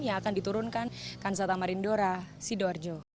yang akan diturunkan kansata marindora sidorjo